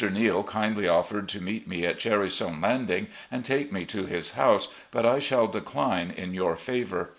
Neale kindly offered to meet me at Cherrystone landing and take me to his house, but I shall decline in your favour.